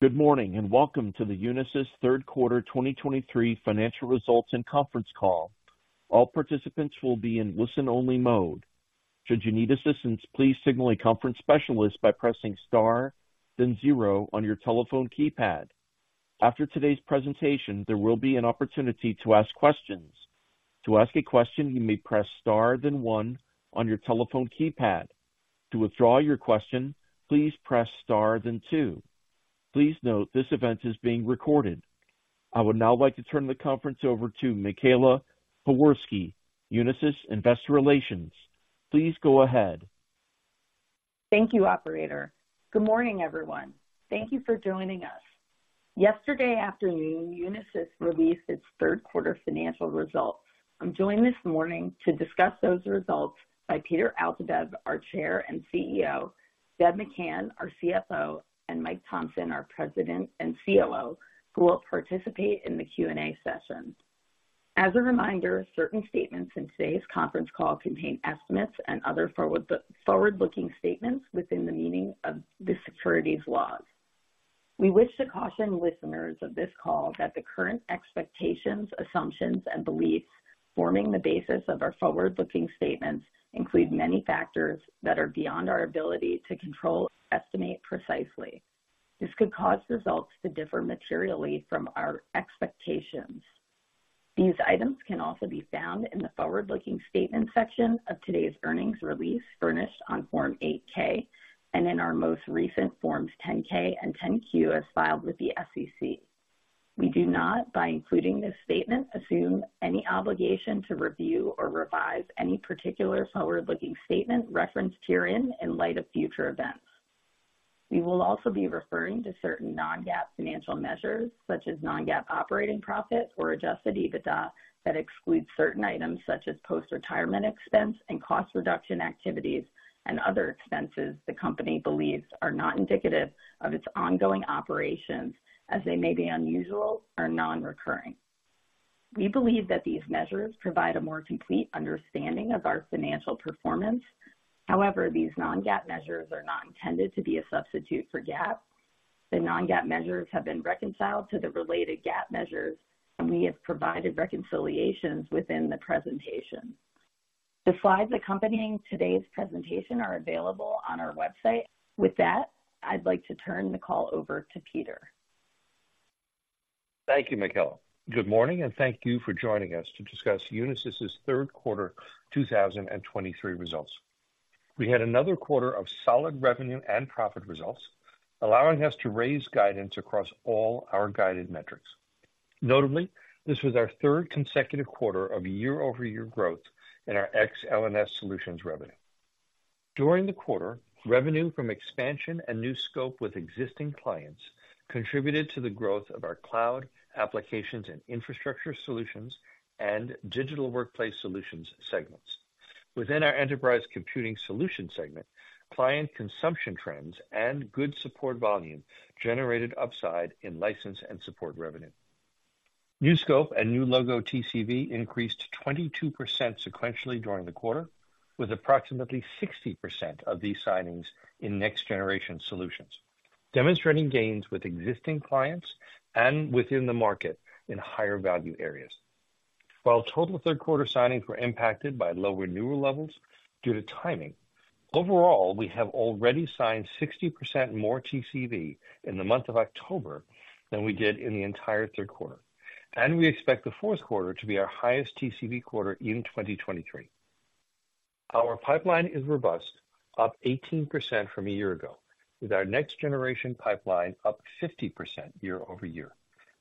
Good morning, and welcome to the Unisys third quarter 2023 financial results and conference call. All participants will be in listen-only mode. Should you need assistance, please signal a conference specialist by pressing star then zero on your telephone keypad. After today's presentation, there will be an opportunity to ask questions. To ask a question, you may press star then one on your telephone keypad. To withdraw your question, please press star then two. Please note, this event is being recorded. I would now like to turn the conference over to Michaela Pewarski, Unisys Investor Relations. Please go ahead. Thank you, operator. Good morning, everyone. Thank you for joining us. Yesterday afternoon, Unisys released its third quarter financial results. I'm joined this morning to discuss those results by Peter Altabef, our Chair and CEO, Deb McCann, our CFO, and Mike Thomson, our President and COO, who will participate in the Q&A session. As a reminder, certain statements in today's conference call contain estimates and other forward-looking statements within the meaning of the securities laws. We wish to caution listeners of this call that the current expectations, assumptions, and beliefs forming the basis of our forward-looking statements include many factors that are beyond our ability to control or estimate precisely. This could cause results to differ materially from our expectations. These items can also be found in the Forward-Looking Statements section of today's earnings release, furnished on Form 8-K, and in our most recent Forms 10-K and 10-Q, as filed with the SEC. We do not, by including this statement, assume any obligation to review or revise any particular forward-looking statement referenced herein in light of future events. We will also be referring to certain non-GAAP financial measures, such as non-GAAP operating profit or Adjusted EBITDA, that excludes certain items such as post-retirement expense and cost reduction activities and other expenses the company believes are not indicative of its ongoing operations, as they may be unusual or non-recurring. We believe that these measures provide a more complete understanding of our financial performance. However, these non-GAAP measures are not intended to be a substitute for GAAP. The non-GAAP measures have been reconciled to the related GAAP measures, and we have provided reconciliations within the presentation. The slides accompanying today's presentation are available on our website. With that, I'd like to turn the call over to Peter. Thank you, Michaela. Good morning, and thank you for joining us to discuss Unisys' third quarter 2023 results. We had another quarter of solid revenue and profit results, allowing us to raise guidance across all our guided metrics. Notably, this was our third consecutive quarter of year-over-year growth in our Ex-L&S solutions revenue. During the quarter, revenue from expansion and new scope with existing clients contributed to the growth of our Cloud Applications and Infrastructure solutions and Digital Workplace Solutions segments. Within our Enterprise Computing Solutions segment, client consumption trends and good support volume generated upside in License and Support revenue. New scope and new logo TCV increased 22% sequentially during the quarter, with approximately 60% of these signings in Next-Generation Solutions, demonstrating gains with existing clients and within the market in higher value areas. While total third quarter signings were impacted by low renewal levels due to timing, overall, we have already signed 60% more TCV in the month of October than we did in the entire third quarter, and we expect the fourth quarter to be our highest TCV quarter in 2023. Our pipeline is robust, up 18% from a year ago, with our next-generation pipeline up 50% year-over-year.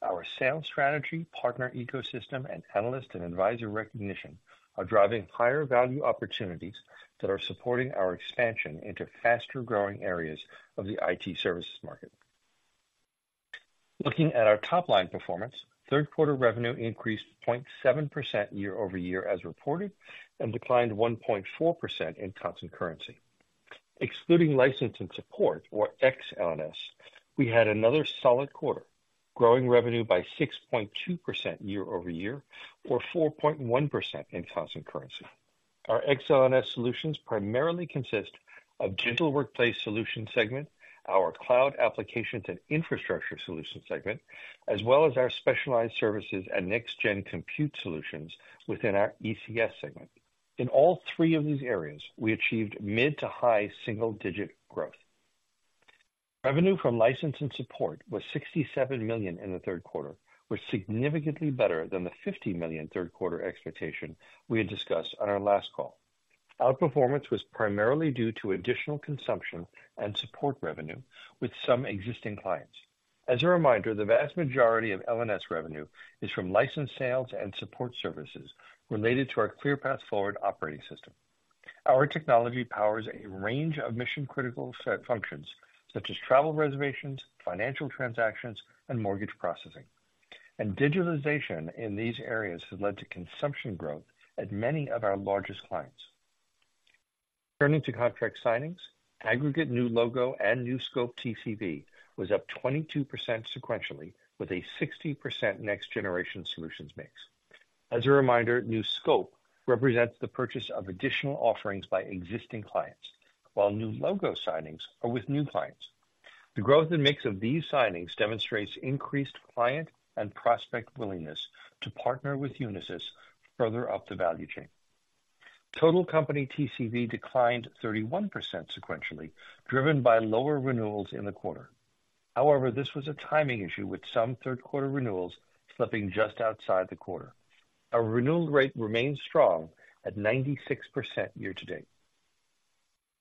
Our sales strategy, partner ecosystem, and analyst and advisor recognition are driving higher value opportunities that are supporting our expansion into faster growing areas of the IT services market. Looking at our top-line performance, third quarter revenue increased 0.7% year-over-year as reported, and declined 1.4% in constant currency. Excluding License and Support, or Ex-L&S, we had another solid quarter, growing revenue by 6.2% year-over-year, or 4.1% in constant currency. Our Ex-L&S solutions primarily consist of Digital Workplace Solutions segment, our Cloud Applications and Infrastructure segment, as well as our specialized services and next-gen compute solutions within our ECS segment. In all three of these areas, we achieved mid- to high-single-digit growth. Revenue from License and Support was $67 million in the third quarter, which is significantly better than the $50 million third quarter expectation we had discussed on our last call. Outperformance was primarily due to additional consumption and support revenue with some existing clients. As a reminder, the vast majority of L&S revenue is from license sales and support services related to our ClearPath Forward operating system. Our technology powers a range of mission-critical set functions, such as travel reservations, financial transactions, and mortgage processing, and digitalization in these areas has led to consumption growth at many of our largest clients. Turning to contract signings, aggregate new logo and new scope TCV was up 22% sequentially, with a 60% next-generation solutions mix. As a reminder, new scope represents the purchase of additional offerings by existing clients, while new logo signings are with new clients. The growth and mix of these signings demonstrates increased client and prospect willingness to partner with Unisys further up the value chain. Total company TCV declined 31% sequentially, driven by lower renewals in the quarter. However, this was a timing issue, with some third quarter renewals slipping just outside the quarter. Our renewal rate remains strong at 96% year to date.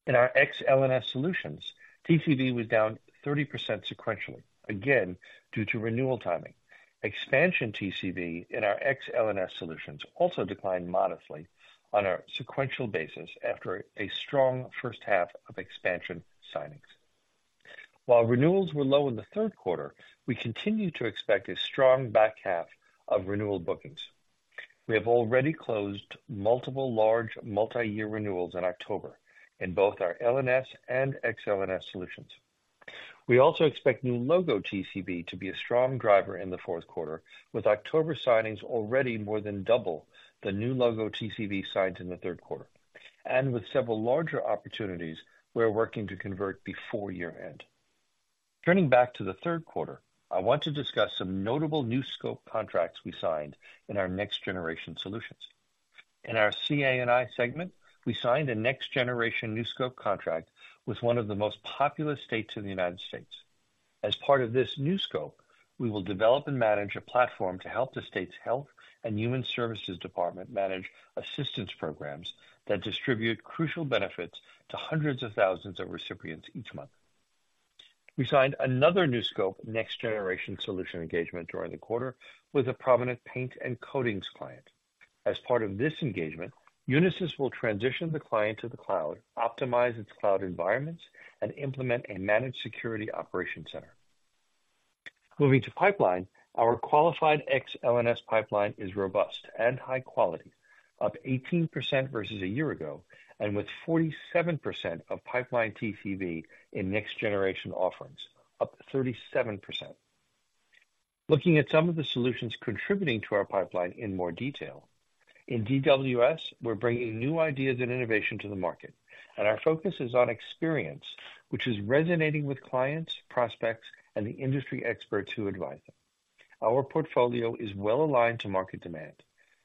In our Ex-L&S solutions, TCV was down 30% sequentially, again due to renewal timing. Expansion TCV in our Ex-L&S solutions also declined modestly on a sequential basis after a strong first half of expansion signings. While renewals were low in the third quarter, we continue to expect a strong back half of renewal bookings. We have already closed multiple large multi-year renewals in October in both our L&S and Ex-L&S solutions. We also expect new logo TCV to be a strong driver in the fourth quarter, with October signings already more than double the new logo TCV signed in the third quarter, and with several larger opportunities we are working to convert before year end. Turning back to the third quarter, I want to discuss some notable new scope contracts we signed in our Next-Generation Solutions. In our CA&I segment, we signed a next-generation new scope contract with one of the most populous states in the United States. As part of this new scope, we will develop and manage a platform to help the state's Health and Human Services Department manage assistance programs that distribute crucial benefits to hundreds of thousands of recipients each month. We signed another new scope next-generation solution engagement during the quarter with a prominent paint and coatings client. As part of this engagement, Unisys will transition the client to the cloud, optimize its cloud environments, and implement a managed security operation center. Moving to pipeline, our qualified Ex-L&S pipeline is robust and high quality, up 18% versus a year ago, and with 47% of pipeline TCV in next-generation offerings, up 37%. Looking at some of the solutions contributing to our pipeline in more detail. In DWS, we're bringing new ideas and innovation to the market, and our focus is on experience, which is resonating with clients, prospects, and the industry experts who advise them. Our portfolio is well aligned to market demand.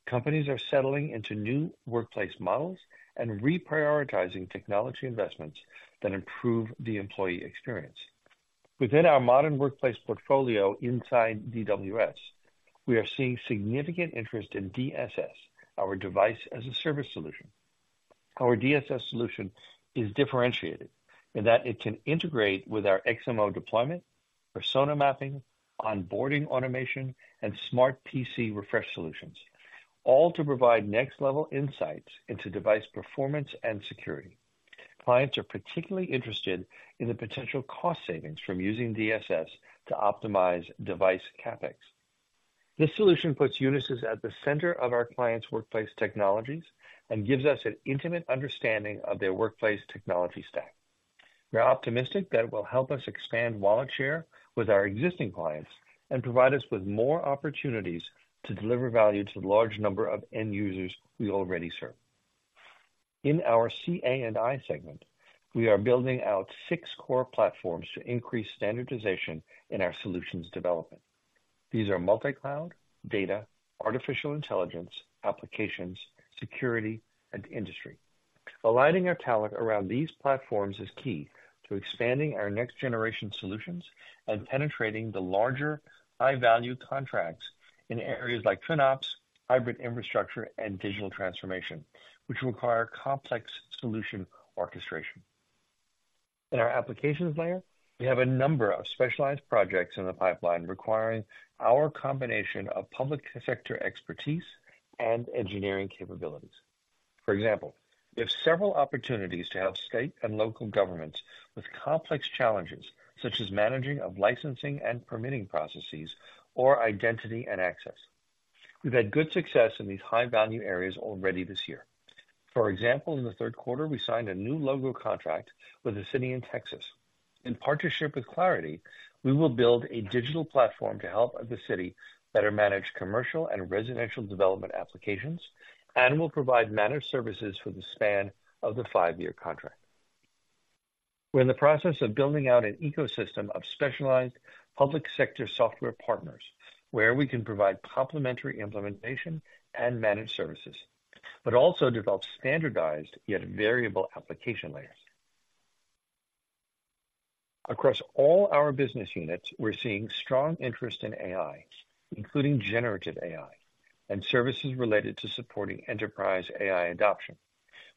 Companies are settling into new workplace models and reprioritizing technology investments that improve the employee experience. Within our Modern Workplace portfolio inside DWS, we are seeing significant interest in DSS, our device as a service solution. Our DSS solution is differentiated in that it can integrate with our XMO deployment, persona mapping, onboarding automation, and smart PC refresh solutions, all to provide next level insights into device performance and security. Clients are particularly interested in the potential cost savings from using DSS to optimize device CapEx. This solution puts Unisys at the center of our clients' workplace technologies and gives us an intimate understanding of their workplace technology stack. We're optimistic that it will help us expand wallet share with our existing clients and provide us with more opportunities to deliver value to the large number of end users we already serve. In our CA&I segment, we are building out six core platforms to increase standardization in our solutions development. These are multi-cloud, data, Artificial Intelligence, applications, security, and industry. Aligning our talent around these platforms is key to expanding our Next-Generation Solutions and penetrating the larger, high-value contracts in areas like FinOps, Hybrid Infrastructure, and digital transformation, which require complex solution orchestration. In our applications layer, we have a number of specialized projects in the pipeline requiring our combination of public sector expertise and engineering capabilities. For example, we have several opportunities to help state and local governments with complex challenges such as managing of licensing and permitting processes or identity and access. We've had good success in these high value areas already this year. For example, in the third quarter, we signed a new logo contract with a city in Texas. In partnership with Clariti, we will build a digital platform to help the city better manage commercial and residential development applications, and will provide managed services for the span of the 5-year contract. We're in the process of building out an ecosystem of specialized public sector software partners, where we can provide complementary implementation and managed services, but also develop standardized yet variable application layers. Across all our business units, we're seeing strong interest in AI, including generative AI and services related to supporting enterprise AI adoption.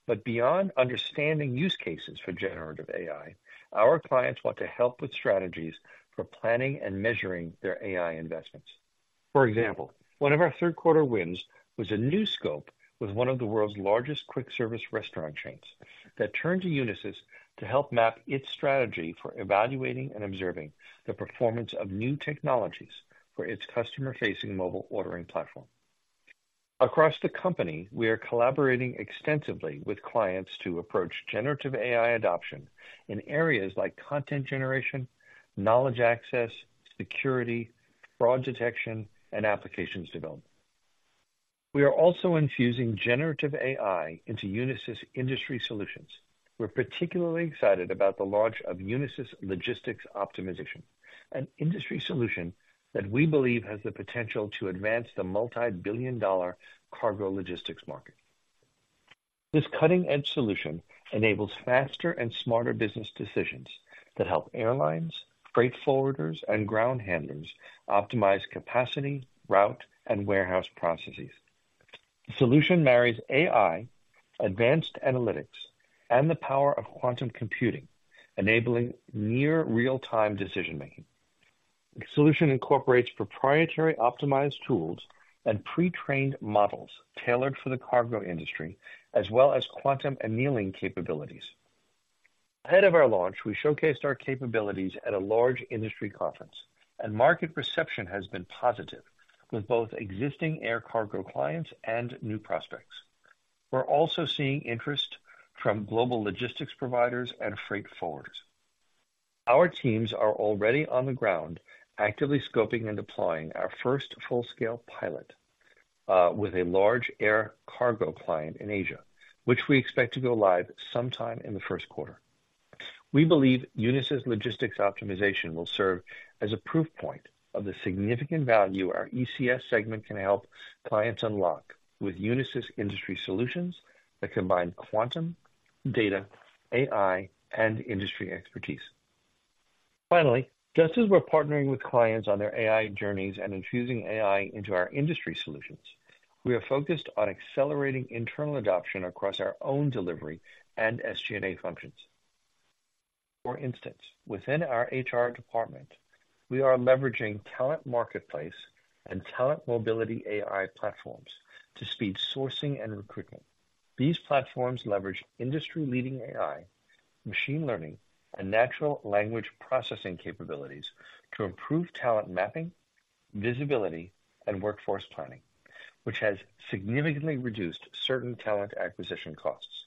But beyond understanding use cases for generative AI, our clients want to help with strategies for planning and measuring their AI investments. For example, one of our third quarter wins was a new scope with one of the world's largest quick service restaurant chains that turned to Unisys to help map its strategy for evaluating and observing the performance of new technologies for its customer-facing mobile ordering platform. Across the company, we are collaborating extensively with clients to approach generative AI adoption in areas like content generation, knowledge access, security, fraud detection, and applications development. We are also infusing generative AI into Unisys industry solutions. We're particularly excited about the launch of Unisys Logistics Optimization, an industry solution that we believe has the potential to advance the multi-billion dollar cargo logistics market. This cutting-edge solution enables faster and smarter business decisions that help airlines, freight forwarders, and ground handlers optimize capacity, route, and warehouse processes. The solution marries AI, advanced analytics, and the power of quantum computing, enabling near real-time decision-making. The solution incorporates proprietary optimized tools and pre-trained models tailored for the cargo industry, as well as quantum annealing capabilities. Ahead of our launch, we showcased our capabilities at a large industry conference, and market perception has been positive with both existing air cargo clients and new prospects. We're also seeing interest from global logistics providers and freight forwarders. Our teams are already on the ground, actively scoping and deploying our first full-scale pilot, with a large air cargo client in Asia, which we expect to go live sometime in the first quarter. We believe Unisys Logistics Optimization will serve as a proof point of the significant value our ECS segment can help clients unlock with Unisys industry solutions that combine quantum, data, AI, and industry expertise. Finally, just as we're partnering with clients on their AI journeys and infusing AI into our industry solutions, we are focused on accelerating internal adoption across our own delivery and SG&A functions. For instance, within our HR department, we are leveraging talent marketplace and talent mobility AI platforms to speed sourcing and recruitment. These platforms leverage industry-leading AI, machine learning, and natural language processing capabilities to improve talent mapping, visibility, and workforce planning, which has significantly reduced certain talent acquisition costs.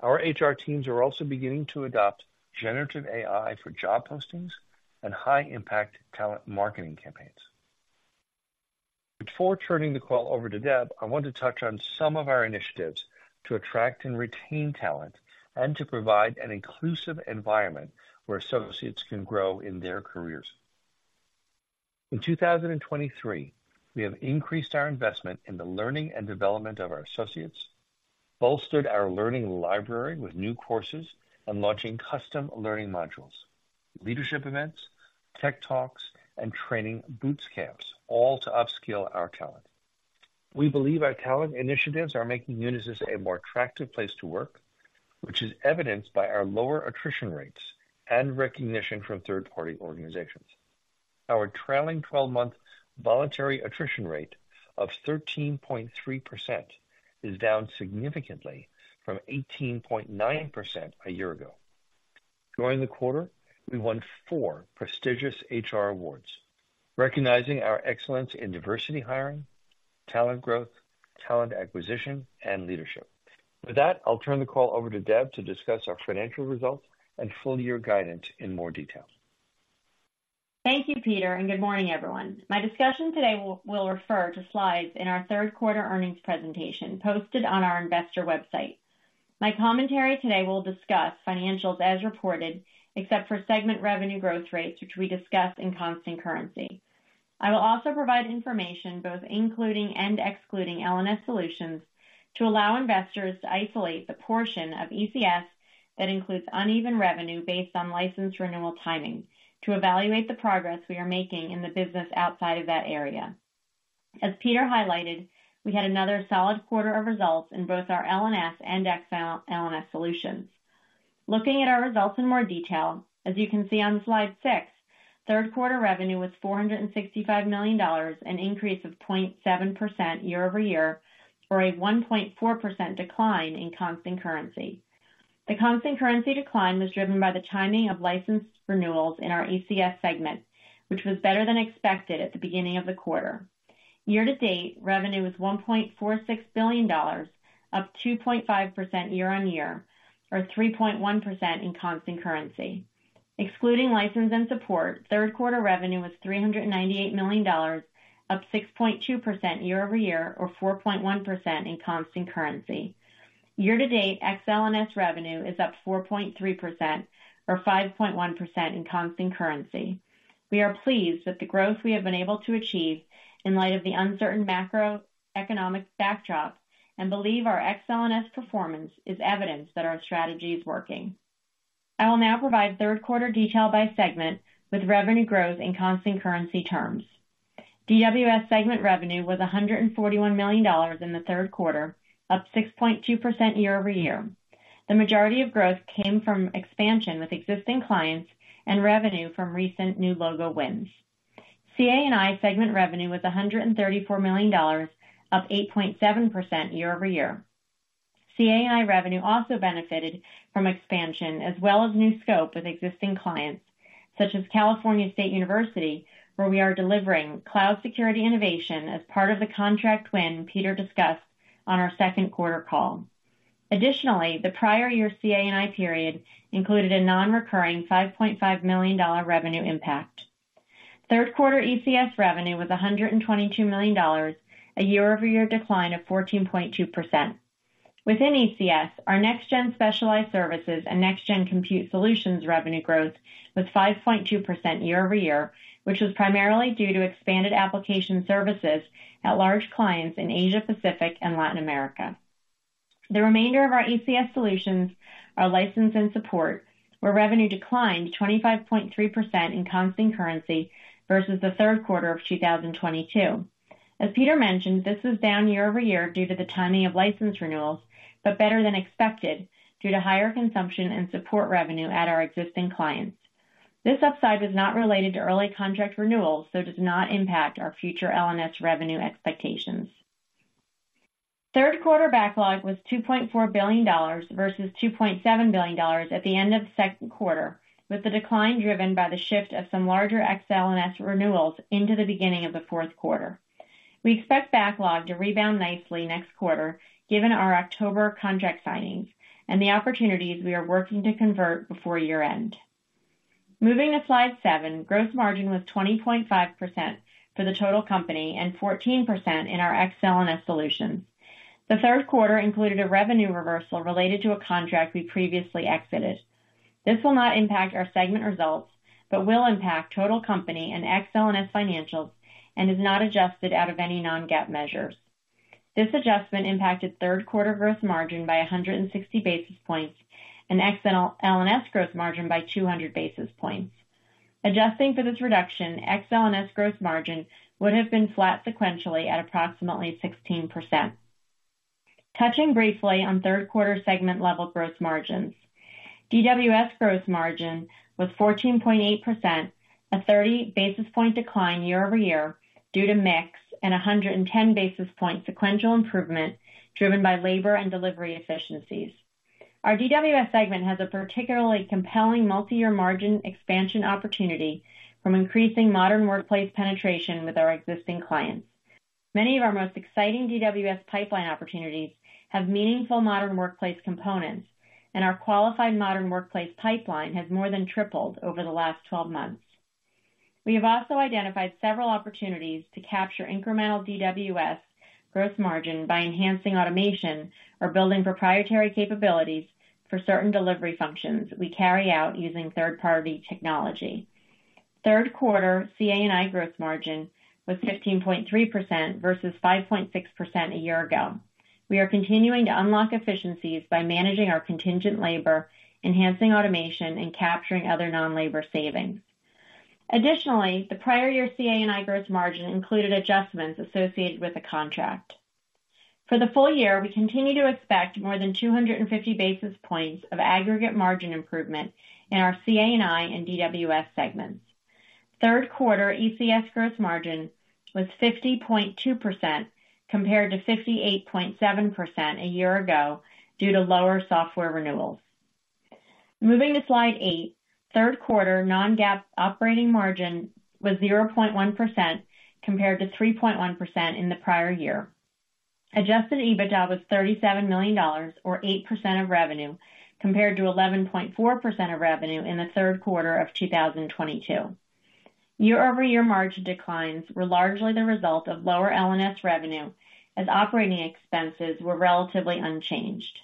Our HR teams are also beginning to adopt generative AI for job postings and high impact talent marketing campaigns. Before turning the call over to Deb, I want to touch on some of our initiatives to attract and retain talent, and to provide an inclusive environment where associates can grow in their careers. In 2023, we have increased our investment in the learning and development of our associates, bolstered our learning library with new courses, and launching custom learning modules, leadership events, tech talks, and training boot camps, all to upskill our talent. We believe our talent initiatives are making Unisys a more attractive place to work, which is evidenced by our lower attrition rates and recognition from third-party organizations. Our trailing twelve-month voluntary attrition rate of 13.3% is down significantly from 18.9% a year ago. During the quarter, we won 4 prestigious HR awards, recognizing our excellence in diversity hiring, talent growth, talent acquisition, and leadership. With that, I'll turn the call over to Deb to discuss our financial results and full year guidance in more detail. Thank you, Peter, and good morning, everyone. My discussion today will refer to slides in our third quarter earnings presentation posted on our investor website. My commentary today will discuss financials as reported, except for segment revenue growth rates, which we discuss in constant currency. I will also provide information both including and excluding L&S solutions, to allow investors to isolate the portion of ECS that includes uneven revenue based on license renewal timing, to evaluate the progress we are making in the business outside of that area. As Peter highlighted, we had another solid quarter of results in both our L&S and Ex-L&S solutions. Looking at our results in more detail, as you can see on slide 6, third quarter revenue was $465 million, an increase of 0.7% year-over-year, or a 1.4% decline in constant currency. The constant currency decline was driven by the timing of license renewals in our ECS segment, which was better than expected at the beginning of the quarter. Year to date, revenue was $1.46 billion, up 2.5% year-over-year, or 3.1% in constant currency. Excluding license and support, third quarter revenue was $398 million, up 6.2% year-over-year or 4.1% in constant currency. Year to date, Ex-L&S revenue is up 4.3% or 5.1% in constant currency. We are pleased with the growth we have been able to achieve in light of the uncertain macroeconomic backdrop and believe our Ex-L&S performance is evidence that our strategy is working. I will now provide third quarter detail by segment with revenue growth in constant currency terms. DWS segment revenue was $141 million in the third quarter, up 6.2% year-over-year. The majority of growth came from expansion with existing clients and revenue from recent new logo wins. CA&I segment revenue was $134 million, up 8.7% year-over-year. CA&I revenue also benefited from expansion as well as new scope with existing clients, such as California State University, where we are delivering cloud security innovation as part of the contract win Peter discussed on our second quarter call. Additionally, the prior year CA&I period included a non-recurring $5.5 million revenue impact. Third quarter ECS revenue was $122 million, a year-over-year decline of 14.2%. Within ECS, our next-gen specialized services and next-gen compute solutions revenue growth was 5.2% year-over-year, which was primarily due to expanded application services at large clients in Asia Pacific and Latin America. The remainder of our ECS solutions are license and support, where revenue declined 25.3% in constant currency versus the third quarter of 2022. As Peter mentioned, this was down year-over-year due to the timing of license renewals, but better than expected due to higher consumption and support revenue at our existing clients. This upside was not related to early contract renewals, so does not impact our future L&S revenue expectations. Third quarter backlog was $2.4 billion versus $2.7 billion at the end of the second quarter, with the decline driven by the shift of some larger Ex-L&S renewals into the beginning of the fourth quarter. We expect backlog to rebound nicely next quarter, given our October contract signings and the opportunities we are working to convert before year-end. Moving to Slide 7. Gross margin was 20.5% for the total company and 14% in our Ex-L&S solutions. The third quarter included a revenue reversal related to a contract we previously exited. This will not impact our segment results, but will impact total company and Ex-L&S financials and is not adjusted out of any non-GAAP measures. This adjustment impacted third quarter gross margin by 160 basis points and Ex-L&S gross margin by 200 basis points. Adjusting for this reduction, Ex-L&S gross margin would have been flat sequentially at approximately 16%. Touching briefly on third quarter segment level gross margins. DWS gross margin was 14.8%, a 30 basis point decline year-over-year due to mix and a 110 basis point sequential improvement, driven by labor and delivery efficiencies. Our DWS segment has a particularly compelling multi-year margin expansion opportunity from increasing Modern Workplace penetration with our existing clients. Many of our most exciting DWS pipeline opportunities have meaningful Modern Workplace components, and our qualified Modern Workplace pipeline has more than tripled over the last 12 months. We have also identified several opportunities to capture incremental DWS gross margin by enhancing automation or building proprietary capabilities for certain delivery functions we carry out using third-party technology. Third quarter CA&I gross margin was 15.3% versus 5.6% a year ago. We are continuing to unlock efficiencies by managing our contingent labor, enhancing automation, and capturing other non-labor savings. Additionally, the prior year CA&I gross margin included adjustments associated with the contract. For the full year, we continue to expect more than 250 basis points of aggregate margin improvement in our CA&I and DWS segments. Third quarter ECS gross margin was 50.2%, compared to 58.7% a year ago, due to lower software renewals. Moving to slide eight. Third quarter Non-GAAP operating margin was 0.1%, compared to 3.1% in the prior year. Adjusted EBITDA was $37 million, or 8% of revenue, compared to 11.4% of revenue in the third quarter of 2022. Year-over-year margin declines were largely the result of lower L&S revenue, as operating expenses were relatively unchanged.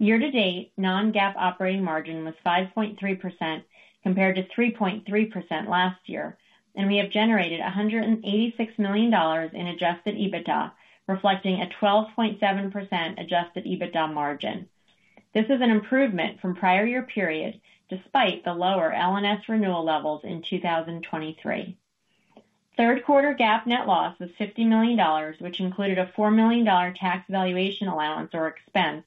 Year-to-date, Non-GAAP operating margin was 5.3%, compared to 3.3% last year, and we have generated $186 million in Adjusted EBITDA, reflecting a 12.7% Adjusted EBITDA margin. This is an improvement from prior year period, despite the lower L&S renewal levels in 2023. Third quarter GAAP net loss was $50 million, which included a $4 million tax valuation allowance or expense,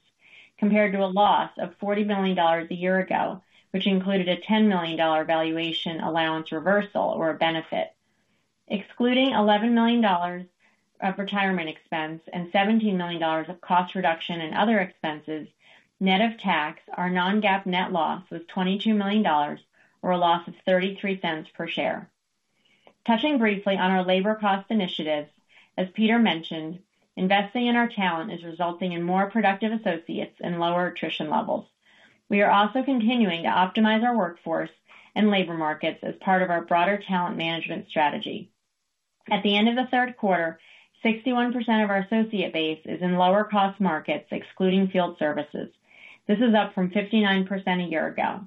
compared to a loss of $40 million a year ago, which included a $10 million valuation allowance reversal or benefit. Excluding $11 million of retirement expense and $17 million of cost reduction and other expenses, net of tax, our non-GAAP net loss was $22 million or a loss of $0.33 per share. Touching briefly on our labor cost initiatives, as Peter mentioned, investing in our talent is resulting in more productive associates and lower attrition levels. We are also continuing to optimize our workforce and labor markets as part of our broader talent management strategy. At the end of the third quarter, 61% of our associate base is in lower cost markets, excluding field services. This is up from 59% a year ago.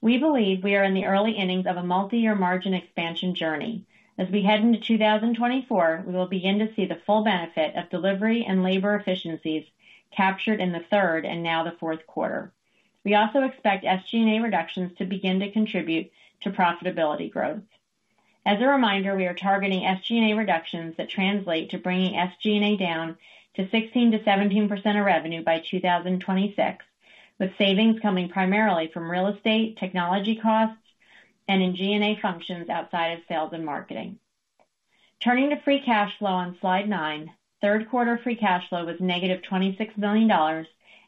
We believe we are in the early innings of a multi-year margin expansion journey. As we head into 2024, we will begin to see the full benefit of delivery and labor efficiencies captured in the third and now the fourth quarter. We also expect SG&A reductions to begin to contribute to profitability growth. As a reminder, we are targeting SG&A reductions that translate to bringing SG&A down to 16%-17% of revenue by 2026, with savings coming primarily from real estate, technology costs, and in G&A functions outside of sales and marketing. Turning to free cash flow on slide 9. Third quarter free cash flow was -$26 million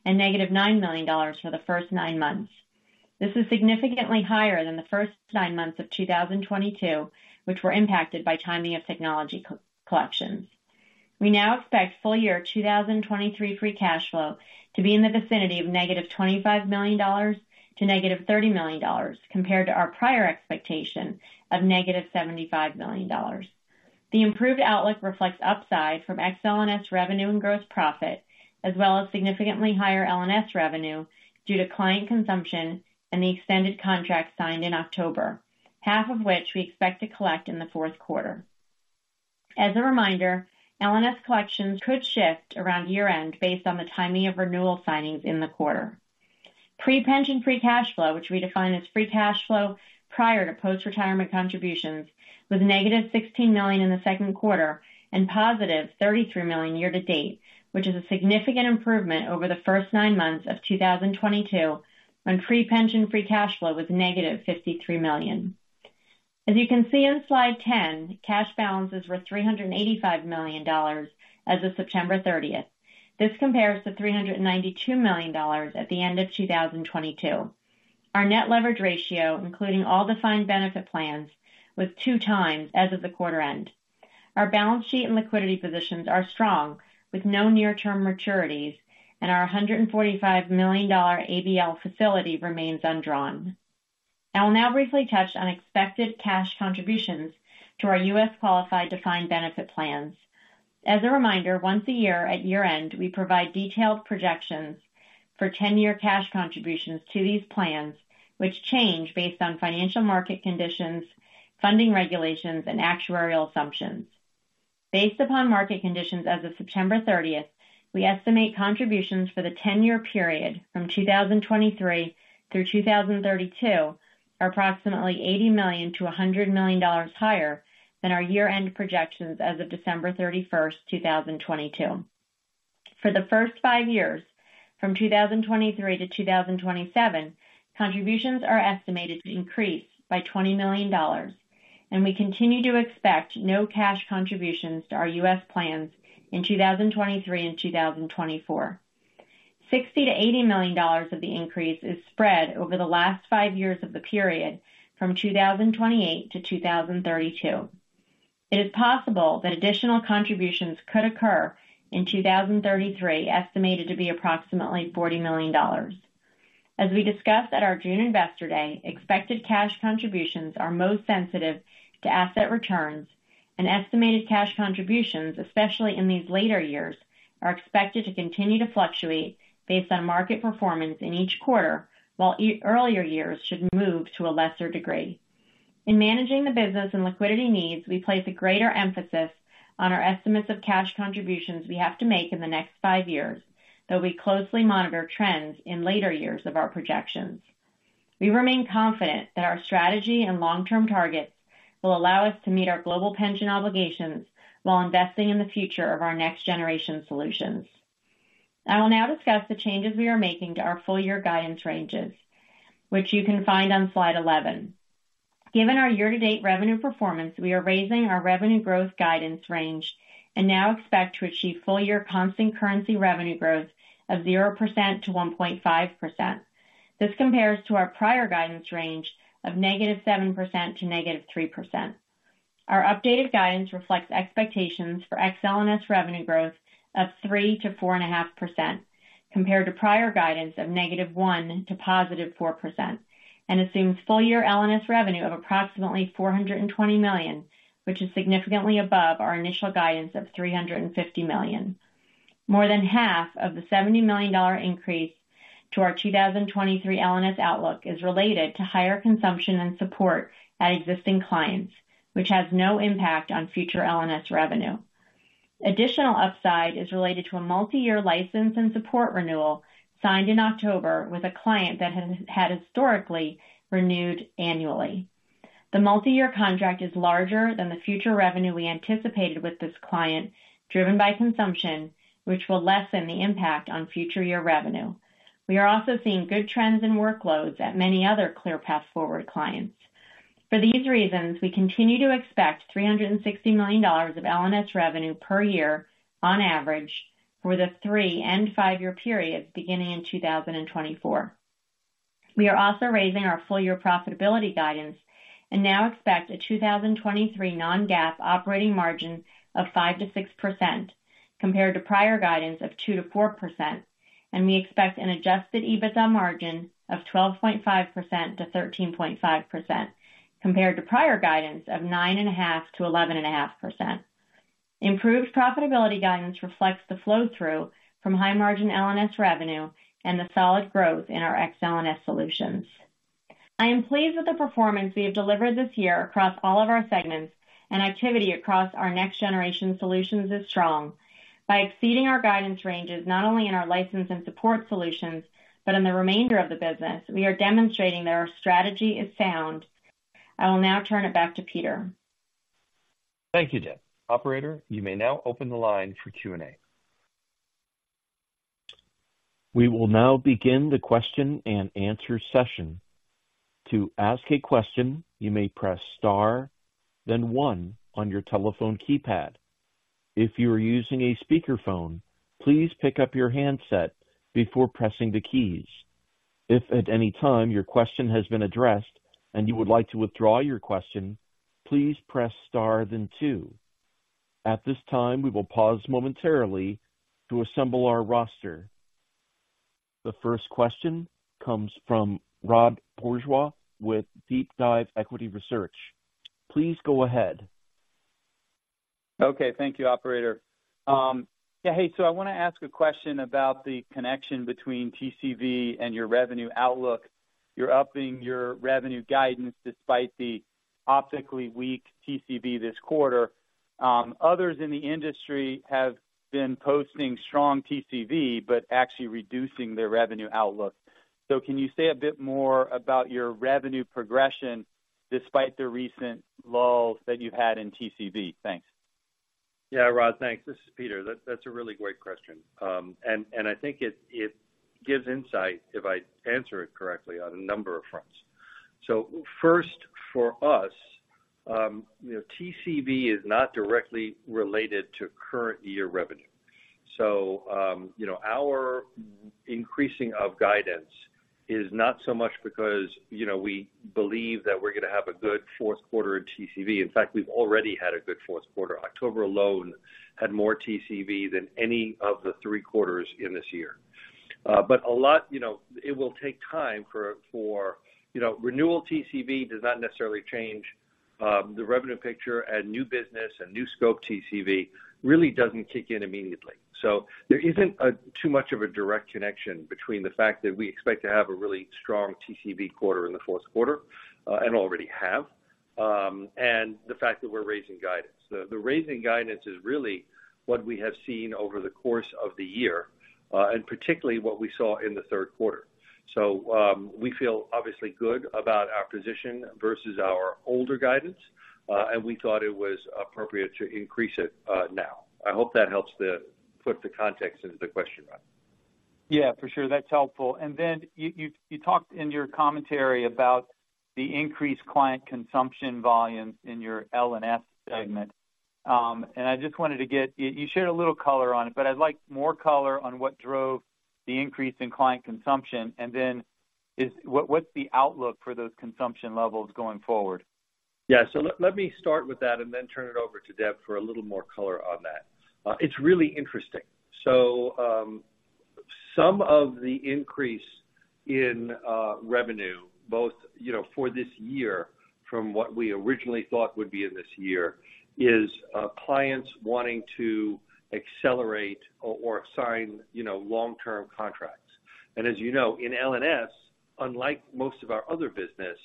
and -$9 million for the first nine months. This is significantly higher than the first nine months of 2022, which were impacted by timing of technology collections. We now expect full year 2023 free cash flow to be in the vicinity of -$25 million to -$30 million, compared to our prior expectation of -$75 million. The improved outlook reflects upside from Ex-L&S revenue and gross profit, as well as significantly higher L&S revenue due to client consumption and the extended contract signed in October, half of which we expect to collect in the fourth quarter. As a reminder, L&S collections could shift around year-end based on the timing of renewal signings in the quarter. Pre-pension Free Cash Flow, which we define as Free Cash Flow prior to post-retirement contributions, was -$16 million in the second quarter and $33 million year to date, which is a significant improvement over the first nine months of 2022, when Pre-pension Free Cash Flow was -$53 million. As you can see on slide 10, cash balances were $385 million as of September 30. This compares to $392 million at the end of 2022. Our Net Leverage Ratio, including all defined benefit plans, was 2x as of quarter end. Our balance sheet and liquidity positions are strong, with no near-term maturities and our $145 million ABL facility remains undrawn. I will now briefly touch on expected cash contributions to our U.S. qualified defined benefit plans. As a reminder, once a year, at year-end, we provide detailed projections for 10-year cash contributions to these plans, which change based on financial market conditions, funding regulations, and actuarial assumptions. Based upon market conditions as of September 30, we estimate contributions for the 10-year period from 2023 through 2032 are approximately $80 million-$100 million higher than our year-end projections as of December 31, 2022. For the first five years, from 2023 to 2027, contributions are estimated to increase by $20 million, and we continue to expect no cash contributions to our U.S. plans in 2023 and 2024. $60 million-$80 million of the increase is spread over the last five years of the period, from 2028 to 2032. It is possible that additional contributions could occur in 2033, estimated to be approximately $40 million. As we discussed at our June Investor Day, expected cash contributions are most sensitive to asset returns, and estimated cash contributions, especially in these later years, are expected to continue to fluctuate based on market performance in each quarter, while earlier years should move to a lesser degree. In managing the business and liquidity needs, we place a greater emphasis on our estimates of cash contributions we have to make in the next five years, though we closely monitor trends in later years of our projections. We remain confident that our strategy and long-term targets will allow us to meet our global pension obligations while investing in the future of our next generation solutions. I will now discuss the changes we are making to our full year guidance ranges, which you can find on slide 11. Given our year-to-date revenue performance, we are raising our revenue growth guidance range and now expect to achieve full year constant currency revenue growth of 0%-1.5%. This compares to our prior guidance range of -7% to -3%. Our updated guidance reflects expectations for Ex-L&S revenue growth of 3%-4.5%, compared to prior guidance of -1% to +4%, and assumes full-year L&S revenue of approximately $420 million, which is significantly above our initial guidance of $350 million. More than half of the $70 million increase to our 2023 L&S outlook is related to higher consumption and support at existing clients, which has no impact on future L&S revenue. Additional upside is related to a multi-year license and support renewal signed in October with a client that had historically renewed annually. The multi-year contract is larger than the future revenue we anticipated with this client, driven by consumption, which will lessen the impact on future-year revenue. We are also seeing good trends in workloads at many other ClearPath Forward clients. For these reasons, we continue to expect $360 million of L&S revenue per year on average for the 3- and 5-year periods beginning in 2024. We are also raising our full year profitability guidance and now expect a 2023 non-GAAP operating margin of 5%-6%, compared to prior guidance of 2%-4%, and we expect an adjusted EBITDA margin of 12.5%-13.5%, compared to prior guidance of 9.5%-11.5%. Improved profitability guidance reflects the flow through from high margin L&S revenue and the solid growth in our Ex-L&S solutions. I am pleased with the performance we have delivered this year across all of our segments, and activity across our Next-Generation Solutions is strong. By exceeding our guidance ranges, not only in our License and Support solutions, but in the remainder of the business, we are demonstrating that our strategy is sound. I will now turn it back to Peter. Thank you, Deb. Operator, you may now open the line for Q&A. We will now begin the question and answer session. To ask a question, you may press star, then one on your telephone keypad. If you are using a speakerphone, please pick up your handset before pressing the keys. If at any time your question has been addressed and you would like to withdraw your question, please press star, then two. At this time, we will pause momentarily to assemble our roster. The first question comes from Rod Bourgeois with DeepDive Equity Research. Please go ahead. Okay. Thank you, operator. Yeah, hey, so I want to ask a question about the connection between TCV and your revenue outlook. You're upping your revenue guidance despite the optically weak TCV this quarter. Others in the industry have been posting strong TCV, but actually reducing their revenue outlook. So can you say a bit more about your revenue progression despite the recent lulls that you've had in TCV? Thanks. Yeah, Rod, thanks. This is Peter. That's a really great question. And I think it gives insight, if I answer it correctly, on a number of fronts. So first, for us, you know, TCV is not directly related to current year revenue. So, you know, our increasing of guidance is not so much because, you know, we believe that we're going to have a good fourth quarter in TCV. In fact, we've already had a good fourth quarter. October alone had more TCV than any of the three quarters in this year. But a lot, you know, it will take time for... You know, renewal TCV does not necessarily change the revenue picture, and new business and new scope TCV really doesn't kick in immediately. So there isn't too much of a direct connection between the fact that we expect to have a really strong TCV quarter in the fourth quarter, and already have, and the fact that we're raising guidance. The raising guidance is really what we have seen over the course of the year, and particularly what we saw in the third quarter. So we feel obviously good about our position versus our older guidance, and we thought it was appropriate to increase it now. I hope that helps to put the context into the question, Rod. Yeah, for sure. That's helpful. And then you talked in your commentary about the increased client consumption volumes in your L&S segment. And I just wanted to get. You shared a little color on it, but I'd like more color on what drove the increase in client consumption, and then what's the outlook for those consumption levels going forward? Yeah. So let me start with that and then turn it over to Deb for a little more color on that. It's really interesting. So, some of the increase in revenue, both, you know, for this year from what we originally thought would be in this year, is clients wanting to accelerate or sign, you know, long-term contracts. And as you know, in L&S, unlike most of our other business,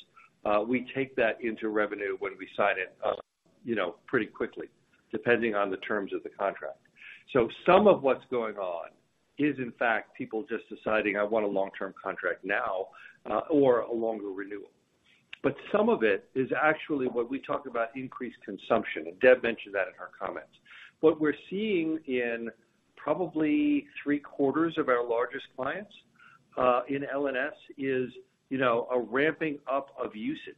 we take that into revenue when we sign it, you know, pretty quickly, depending on the terms of the contract. So some of what's going on is, in fact, people just deciding, I want a long-term contract now or a longer renewal. But some of it is actually what we talk about increased consumption, and Deb mentioned that in her comments. What we're seeing in probably three-quarters of our largest clients, in L&S is, you know, a ramping up of usage.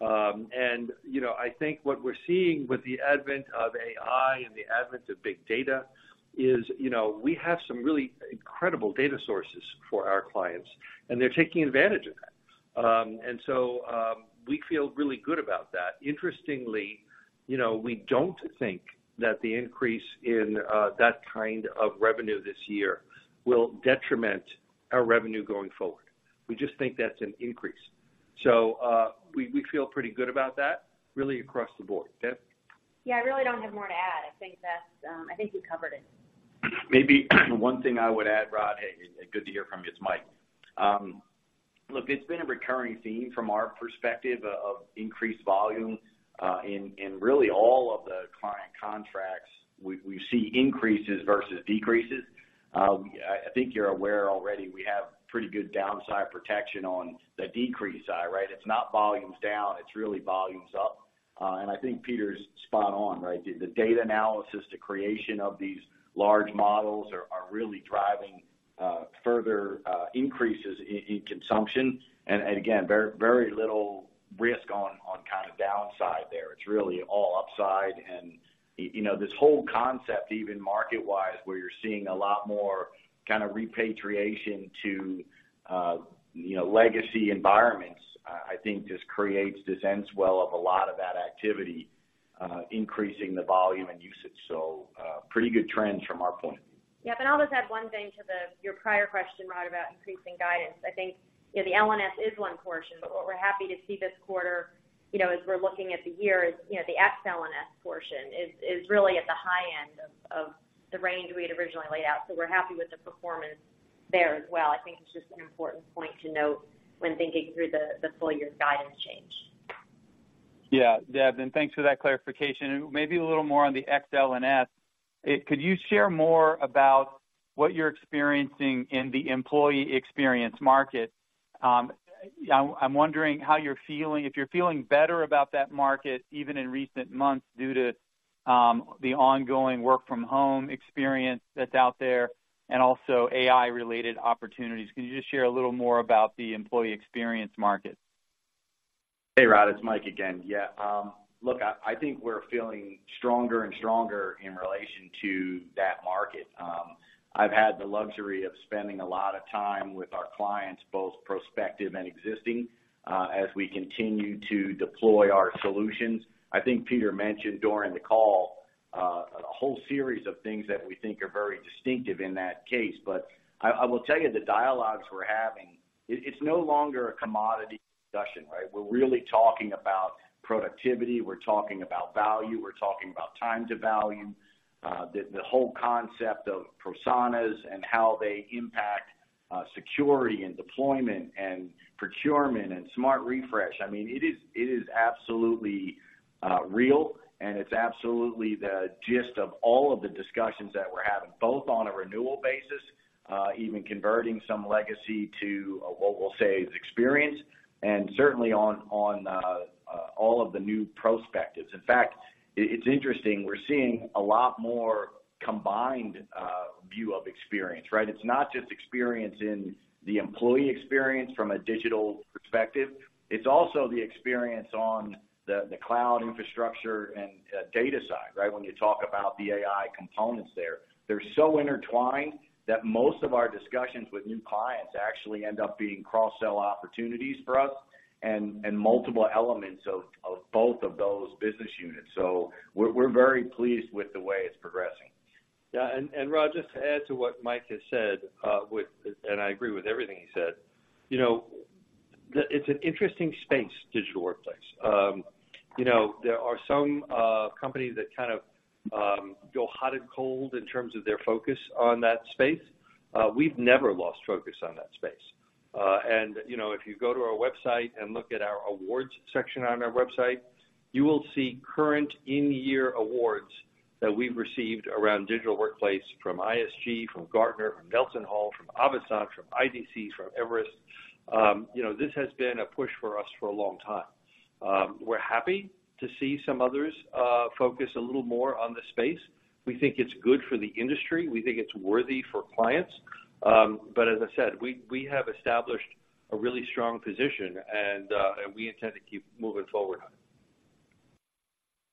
And, you know, I think what we're seeing with the advent of AI and the advent of big data is, you know, we have some really incredible data sources for our clients, and they're taking advantage of that. And so, we feel really good about that. Interestingly, you know, we don't think that the increase in, that kind of revenue this year will detriment our revenue going forward. We just think that's an increase. So, we feel pretty good about that, really across the board. Deb? Yeah, I really don't have more to add. I think that's, I think you covered it. Maybe, one thing I would add, Rod, hey, good to hear from you. It's Mike. Look, it's been a recurring theme from our perspective of increased volume in really all of the client contracts. We see increases versus decreases. I think you're aware already, we have pretty good downside protection on the decrease side, right? It's not volumes down, it's really volumes up. And I think Peter's spot on, right? The data analysis, the creation of these large models are really driving further increases in consumption, and again, very, very little risk on kind of downside there. It's really all upside. You know, this whole concept, even market-wise, where you're seeing a lot more kind of repatriation to, you know, legacy environments, I think just creates this end swell of a lot of that activity, increasing the volume and usage. So, pretty good trends from our point of view. Yeah, but I'll just add one thing to the, your prior question, Rod, about increasing guidance. I think, you know, the L&S is one portion, but what we're happy to see this quarter, you know, as we're looking at the year, is, you know, the Ex-L&S portion is really at the high end of the range we had originally laid out. So we're happy with the performance there as well. I think it's just an important point to note when thinking through the full year's guidance change. Yeah, Deb, and thanks for that clarification. Maybe a little more on the Ex-L&S. Could you share more about what you're experiencing in the employee experience market? I, I'm wondering how you're feeling... If you're feeling better about that market, even in recent months, due to the ongoing work from home experience that's out there, and also AI-related opportunities. Can you just share a little more about the employee experience market? Hey, Rod, it's Mike again. Yeah, look, I think we're feeling stronger and stronger in relation to that market. I've had the luxury of spending a lot of time with our clients, both prospective and existing, as we continue to deploy our solutions. I think Peter mentioned during the call, a whole series of things that we think are very distinctive in that case. But I will tell you, the dialogues we're having, it's no longer a commodity discussion, right? We're really talking about productivity, we're talking about value, we're talking about time to value, the whole concept of personas and how they impact, security and deployment, and procurement, and smart refresh. I mean, it is, it is absolutely real, and it's absolutely the gist of all of the discussions that we're having, both on a renewal basis, even converting some legacy to what we'll say is experience, and certainly on all of the new prospects. In fact, it's interesting, we're seeing a lot more combined view of experience, right? It's not just experience in the employee experience from a digital perspective, it's also the experience on the cloud infrastructure and data side, right? When you talk about the AI components there. They're so intertwined that most of our discussions with new clients actually end up being cross-sell opportunities for us and multiple elements of both of those business units. So we're very pleased with the way it's progressing. Yeah, and Rod, just to add to what Mike has said, and I agree with everything he said. You know, it's an interesting space, digital workplace. You know, there are some companies that kind of go hot and cold in terms of their focus on that space. We've never lost focus on that space. And, you know, if you go to our website and look at our awards section on our website, you will see current in-year awards that we've received around Digital Workplace from ISG, from Gartner, from NelsonHall, from Avasant, from IDC, from Everest. You know, this has been a push for us for a long time. We're happy to see some others focus a little more on the space. We think it's good for the industry. We think it's worthy for clients. But as I said, we have established a really strong position, and we intend to keep moving forward on it.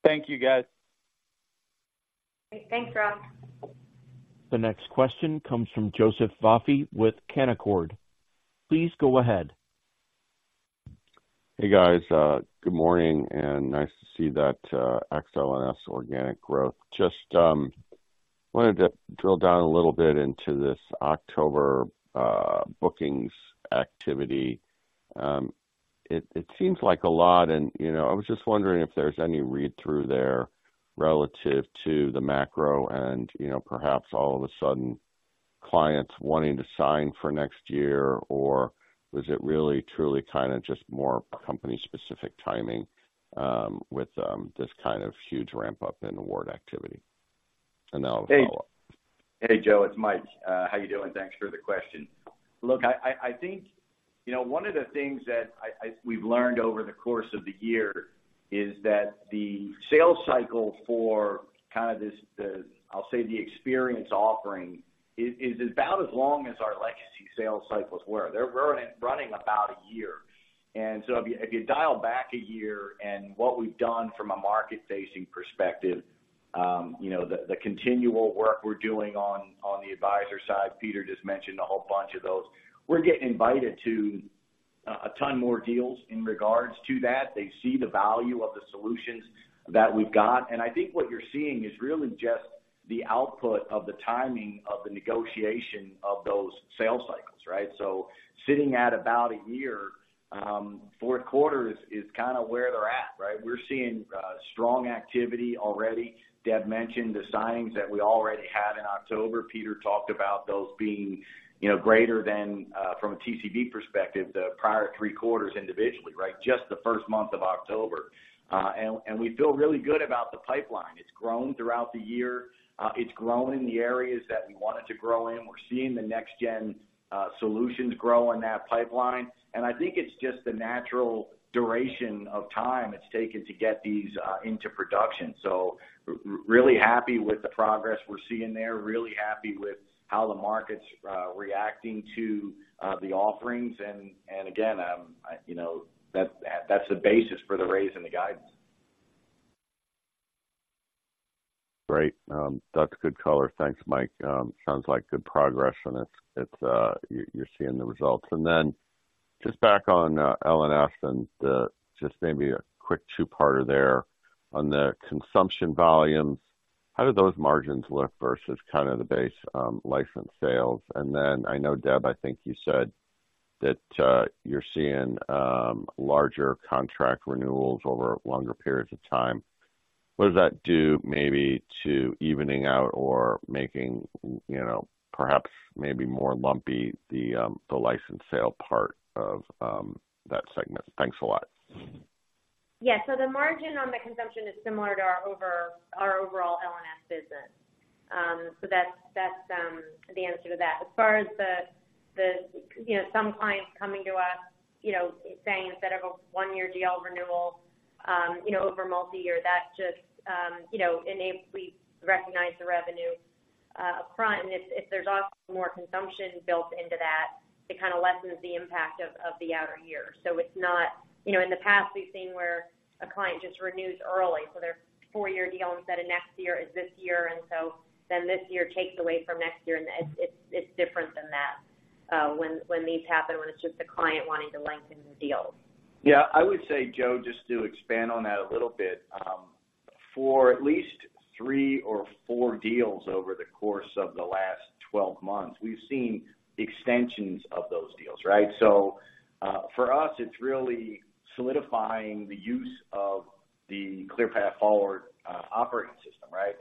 Thank you, guys. Thanks, Rod. The next question comes from Joseph Vafi with Canaccord. Please go ahead. Hey, guys, good morning, and nice to see that Ex-L&S organic growth. Just wanted to drill down a little bit into this October bookings activity. It seems like a lot and, you know, I was just wondering if there's any read-through there relative to the macro and, you know, perhaps all of a sudden, clients wanting to sign for next year, or was it really, truly kinda just more company-specific timing with this kind of huge ramp-up in award activity? And then I'll follow up. Hey, Joe, it's Mike. How you doing? Thanks for the question. Look, I think, you know, one of the things that we've learned over the course of the year is that the sales cycle for kind of this, I'll say, the experience offering, is about as long as our legacy sales cycles were. They're running about a year. And so if you dial back a year and what we've done from a market-facing perspective, you know, the continual work we're doing on the advisor side, Peter just mentioned a whole bunch of those. We're getting invited to a ton more deals in regards to that. They see the value of the solutions that we've got, and I think what you're seeing is really just the output of the timing of the negotiation of those sales cycles, right? So sitting at about a year, fourth quarter is kinda where they're at, right? We're seeing strong activity already. Deb mentioned the signings that we already had in October. Peter talked about those being, you know, greater than from a TCV perspective, the prior three quarters individually, right? Just the first month of October. And we feel really good about the pipeline. It's grown throughout the year. It's grown in the areas that we want it to grow in. We're seeing the next gen solutions grow in that pipeline, and I think it's just the natural duration of time it's taken to get these into production. Really happy with the progress we're seeing there, really happy with how the market's reacting to the offerings. And again, you know, that's the basis for the raise in the guidance. Great. That's good color. Thanks, Mike. Sounds like good progress, and it's, it's, you're, you're seeing the results. And then just back on, L&S and, just maybe a quick two-parter there. On the consumption volumes, how do those margins look versus kind of the base, license sales? And then I know, Deb, I think you said that, you're seeing, larger contract renewals over longer periods of time. What does that do maybe to evening out or making, you know, perhaps maybe more lumpy, the, the license sale part of, that segment? Thanks a lot. Yeah, so the margin on the consumption is similar to our overall L&S business. So that's the answer to that. As far as you know, some clients coming to us, you know, saying, instead of a one-year deal renewal... you know, over multi-year, that just, you know, enables we recognize the revenue upfront, and if there's also more consumption built into that, it kind of lessens the impact of the outer year. So it's not, you know, in the past, we've seen where a client just renews early, so their four-year deal instead of next year is this year, and so then this year takes away from next year, and it's different than that, when these happen, when it's just the client wanting to lengthen the deal. Yeah, I would say, Joe, just to expand on that a little bit, for at least three or four deals over the course of the last 12 months, we've seen extensions of those deals, right? So, for us, it's really solidifying the use of the ClearPath Forward operating system, right?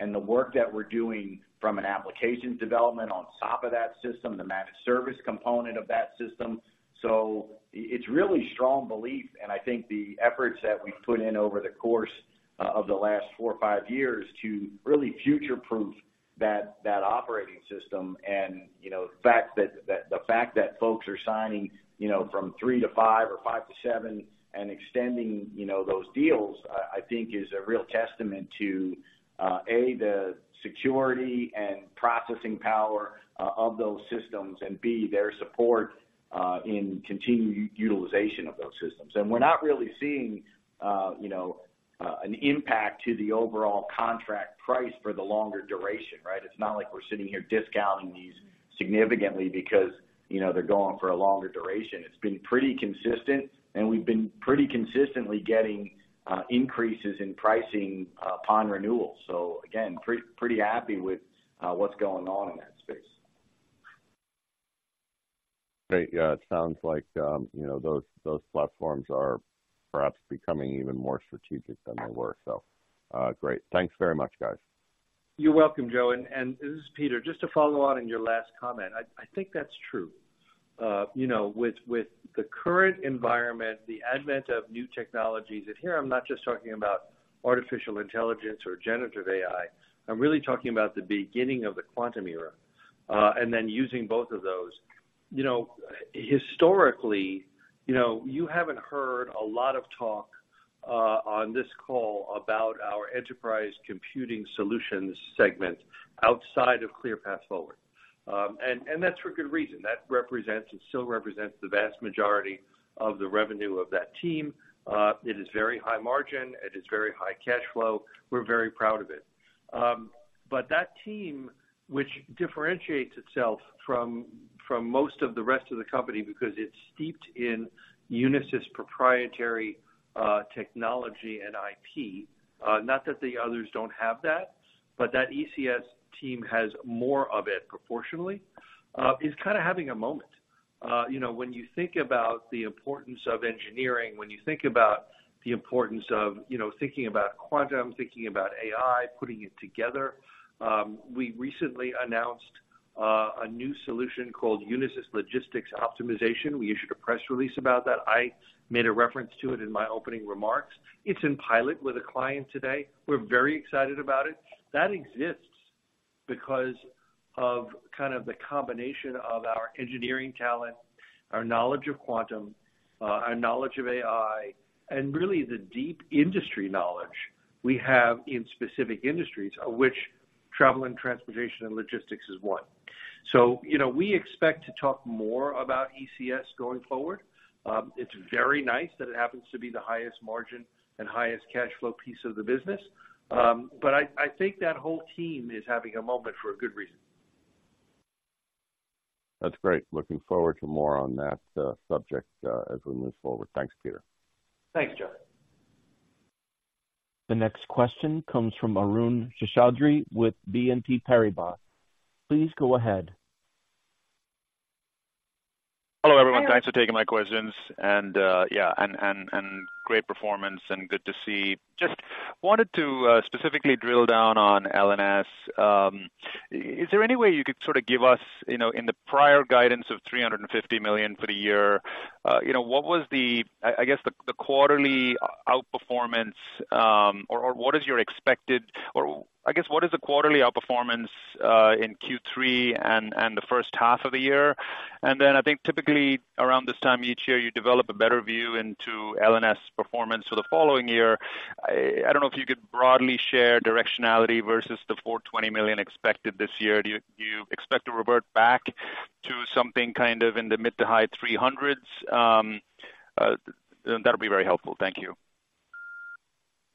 And the work that we're doing from an applications development on top of that system, the managed service component of that system. So it's really strong belief, and I think the efforts that we've put in over the course of the last four or five years to really future-proof that operating system. And, you know, the fact that folks are signing, you know, from three-five or five-seven and extending, you know, those deals, I think is a real testament to, A, the security and processing power of those systems, and B, their support in continued utilization of those systems. And we're not really seeing, you know, an impact to the overall contract price for the longer duration, right? It's not like we're sitting here discounting these significantly because, you know, they're going for a longer duration. It's been pretty consistent, and we've been pretty consistently getting increases in pricing upon renewal. So again, pretty happy with what's going on in that space. Great. Yeah, it sounds like, you know, those platforms are perhaps becoming even more strategic than they were. So, great. Thanks very much, guys. You're welcome, Joe. And this is Peter, just to follow on in your last comment, I think that's true. You know, with the current environment, the advent of new technologies, and here I'm not just talking about artificial intelligence or generative AI, I'm really talking about the beginning of the quantum era, and then using both of those. You know, historically, you know, you haven't heard a lot of talk on this call about our Enterprise Computing Solutions segment outside of ClearPath Forward. And that's for good reason. That represents and still represents the vast majority of the revenue of that team. It is very high margin, it is very high cash flow. We're very proud of it. But that team, which differentiates itself from most of the rest of the company because it's steeped in Unisys proprietary technology and IP, not that the others don't have that, but that ECS team has more of it proportionally, is kind of having a moment. You know, when you think about the importance of engineering, when you think about the importance of thinking about quantum, thinking about AI, putting it together, we recently announced a new solution called Unisys Logistics Optimization. We issued a press release about that. I made a reference to it in my opening remarks. It's in pilot with a client today. We're very excited about it. That exists because of kind of the combination of our engineering talent, our knowledge of quantum, our knowledge of AI, and really the deep industry knowledge we have in specific industries, of which travel and transportation and logistics is one. So, you know, we expect to talk more about ECS going forward. It's very nice that it happens to be the highest margin and highest cash flow piece of the business. But I think that whole team is having a moment for a good reason. That's great. Looking forward to more on that subject as we move forward. Thanks, Peter. Thanks, Joe. The next question comes from Arun Seshadri with BNP Paribas. Please go ahead. Hello, everyone. Thanks for taking my questions. And yeah, great performance and good to see. Just wanted to specifically drill down on L&S. Is there any way you could sort of give us, you know, in the prior guidance of $350 million for the year, you know, what was the... I guess, the quarterly outperformance, or what is your expected, or I guess, what is the quarterly outperformance in Q3 and the first half of the year? And then I think typically around this time each year, you develop a better view into L&S performance for the following year. I don't know if you could broadly share directionality versus the $420 million expected this year. Do you expect to revert back to something kind of in the mid- to high-300s? That'll be very helpful. Thank you.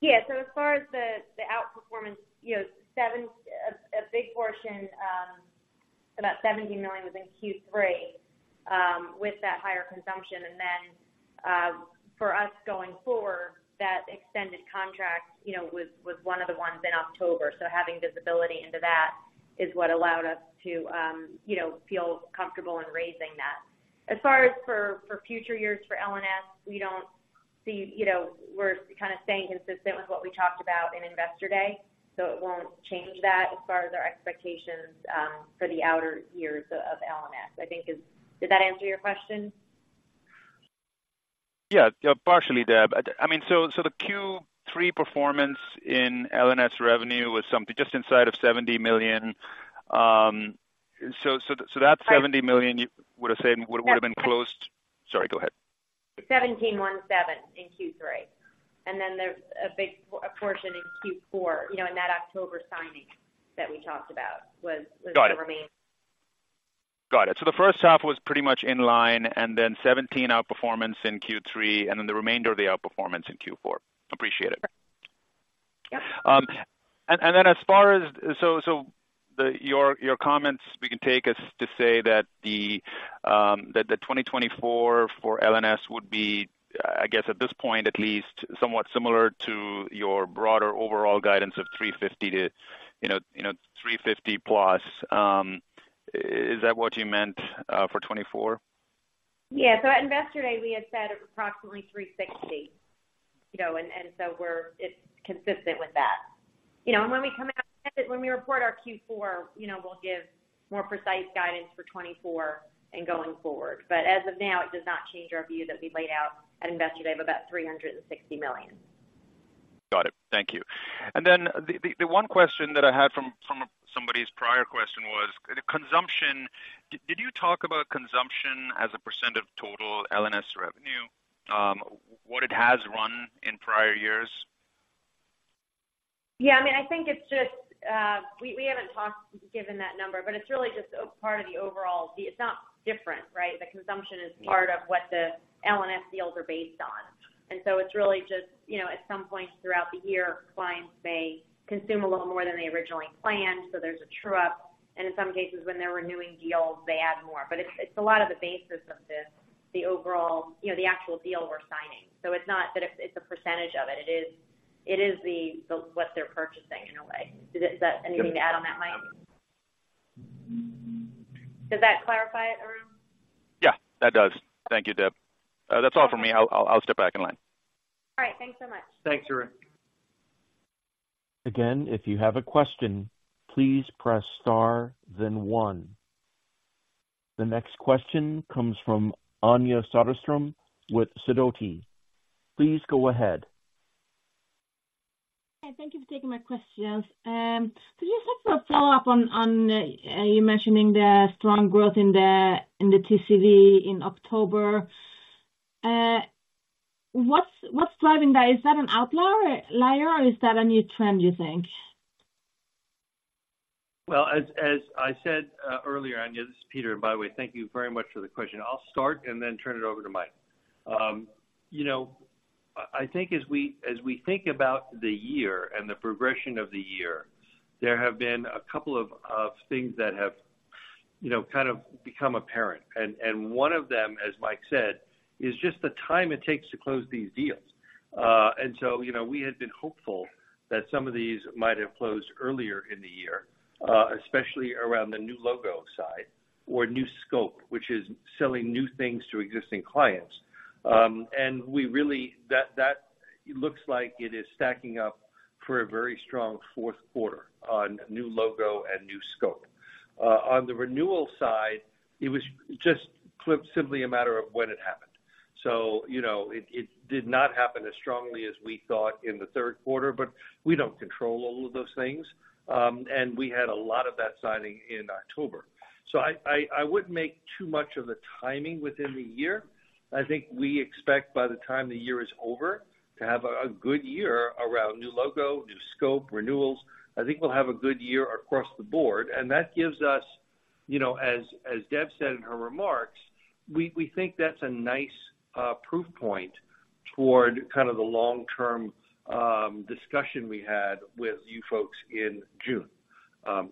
Yeah, so as far as the outperformance, you know, a big portion, about $70 million was in Q3, with that higher consumption. And then, for us, going forward, that extended contract, you know, was one of the ones in October. So having visibility into that is what allowed us to, you know, feel comfortable in raising that. As far as for future years for L&S, we don't see... You know, we're kind of staying consistent with what we talked about in Investor Day, so it won't change that as far as our expectations, for the outer years of L&S, I think is... Did that answer your question? Yeah, partially, Deb. I mean, so, so the Q3 performance in L&S revenue was something just inside of $70 million... So that $70 million, you would have said would have been closed. Sorry, go ahead. $17.17 in Q3, and then there's a big portion in Q4, you know, in that October signing that we talked about was- Got it. The remaining. Got it. So the first half was pretty much in line, and then 17 outperformance in Q3, and then the remainder of the outperformance in Q4. Appreciate it. Yeah. And then as far as your comments, we can take us to say that the 2024 for L&S would be, I guess, at this point, at least, somewhat similar to your broader overall guidance of $350-$350+, you know. Is that what you meant for 2024? Yeah. So at Investor Day, we had said approximately $360 million, you know, and, and so we're, it's consistent with that. You know, and when we come out, when we report our Q4, you know, we'll give more precise guidance for 2024 and going forward. But as of now, it does not change our view that we've laid out at Investor Day of about $360 million. Got it. Thank you. And then the one question that I had from somebody's prior question was the consumption. Did you talk about consumption as a % of total L&S revenue? What it has run in prior years? Yeah, I mean, I think it's just, we haven't talked, given that number, but it's really just a part of the overall. It's not different, right? The consumption is part of what the L&S deals are based on. And so it's really just, you know, at some point throughout the year, clients may consume a little more than they originally planned, so there's a true-up, and in some cases, when they're renewing deals, they add more. But it's, it's a lot of the basis of this, the overall, you know, the actual deal we're signing. So it's not that it's, it's a percentage of it, it is, it is the, so what they're purchasing in a way. Is that anything to add on that, Mike? Does that clarify it, Arun? Yeah, that does. Thank you, Deb. That's all for me. I'll, I'll step back in line. All right. Thanks so much. Thanks, Arun. Again, if you have a question, please press star, then one. The next question comes from Anja Soderstrom with Sidoti. Please go ahead. Hi, thank you for taking my questions. Could you just talk about follow-up on you mentioning the strong growth in the TCV in October? What's driving that? Is that an outlier or, or is that a new trend, do you think? Well, as I said earlier, Anja, this is Peter. By the way, thank you very much for the question. I'll start and then turn it over to Mike. You know, I think as we think about the year and the progression of the year, there have been a couple of things that have, you know, kind of become apparent. And one of them, as Mike said, is just the time it takes to close these deals. And so, you know, we had been hopeful that some of these might have closed earlier in the year, especially around the new logo side or new scope, which is selling new things to existing clients. That looks like it is stacking up for a very strong fourth quarter on new logo and new scope. On the renewal side, it was just, simply a matter of when it happened. So, you know, it did not happen as strongly as we thought in the third quarter, but we don't control all of those things. And we had a lot of that signing in October. So, I wouldn't make too much of the timing within the year. I think we expect by the time the year is over, to have a good year around new logo, new scope, renewals. I think we'll have a good year across the board, and that gives us, you know, as Deb said in her remarks, we think that's a nice proof point toward kind of the long-term discussion we had with you folks in June.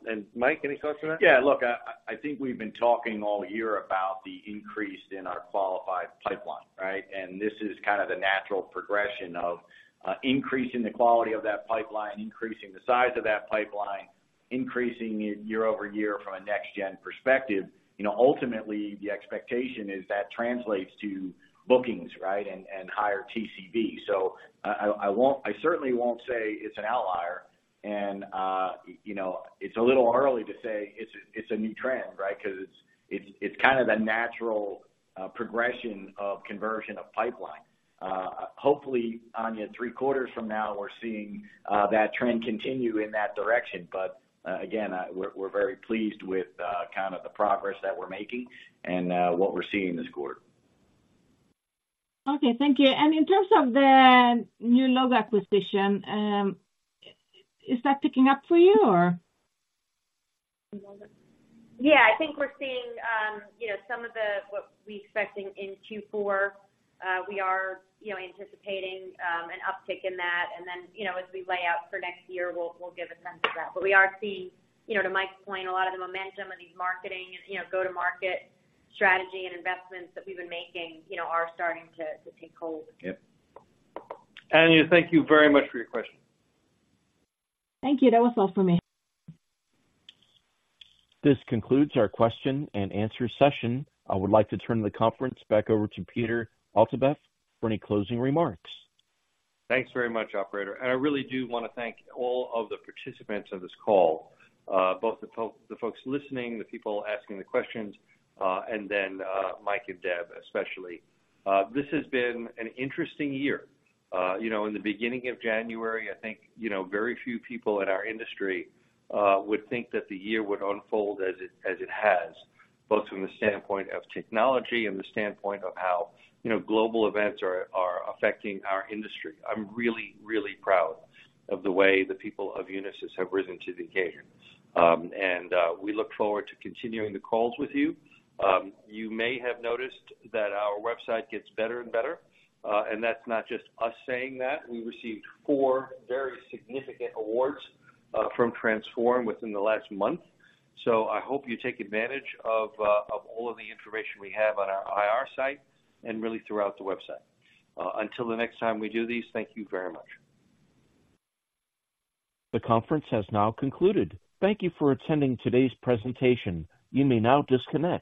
And Mike, any thoughts on that? Yeah, look, I think we've been talking all year about the increase in our qualified pipeline, right? And this is kind of the natural progression of increasing the quality of that pipeline, increasing the size of that pipeline, increasing it year-over-year from a next gen perspective. You know, ultimately, the expectation is that translates to bookings, right? And higher TCV. So, I won't, I certainly won't say it's an outlier, and you know, it's a little early to say it's a new trend, right? Because it's kind of the natural progression of conversion of pipeline. Hopefully, Anja, three quarters from now, we're seeing that trend continue in that direction. But, again, we're very pleased with kind of the progress that we're making and what we're seeing this quarter. Okay, thank you. In terms of the new logo acquisition, is that picking up for you or? Yeah, I think we're seeing, you know, some of the, what we're expecting in Q4. We are, you know, anticipating an uptick in that. And then, you know, as we lay out for next year, we'll, we'll give a sense of that. But we are seeing, you know, to Mike's point, a lot of the momentum of these marketing and, you know, go-to-market strategy and investments that we've been making, you know, are starting to, to take hold. Yep. Anja, thank you very much for your question. Thank you. That was all for me. This concludes our question and answer session. I would like to turn the conference back over to Peter Altabef for any closing remarks. Thanks very much, operator. I really do want to thank all of the participants of this call, both the folk, the folks listening, the people asking the questions, and then Mike and Deb, especially. This has been an interesting year. You know, in the beginning of January, I think, you know, very few people in our industry would think that the year would unfold as it has, both from the standpoint of technology and the standpoint of how, you know, global events are affecting our industry. I'm really, really proud of the way the people of Unisys have risen to the occasion. We look forward to continuing the calls with you. You may have noticed that our website gets better and better, and that's not just us saying that. We received four very significant awards from Transform within the last month. So I hope you take advantage of all of the information we have on our IR site and really throughout the website. Until the next time we do these, thank you very much. The conference has now concluded. Thank you for attending today's presentation. You may now disconnect.